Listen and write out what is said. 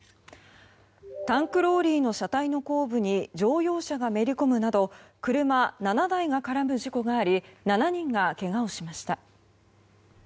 タンクローリーの車体の後部に乗用車がめり込むなど車７台が絡む事故があり７人がけがをしました。